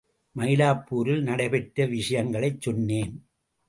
மயிலாப்பூரில் நடைபெற்ற விஷயங்களைச் சொன்னேன்.